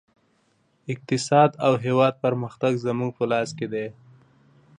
اقتصاد او د هېواد پرمختګ زموږ په لاس کې دی